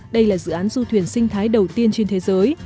đây là dự án du thuyền sinh thái đầu tiên trên thế giới